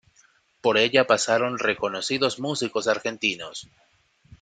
Por ella pasaron reconocidos músicos argentinos.